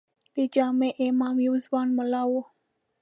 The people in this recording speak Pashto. د جامع امام یو ځوان ملا و.